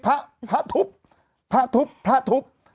พระพระทุบพระทุบพระทุบ